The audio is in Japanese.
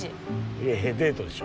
いやいやデートでしょ。